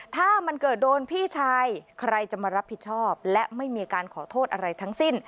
ถ้ามันเกิดโดนพี่ชายใครจะมารับผิดชอบและไม่มีการขอโทษอะไรทั้งสิ้น